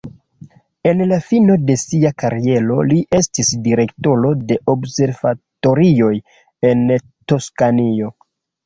En la fino de sia kariero li estis direktoro de observatorioj en Toskanio.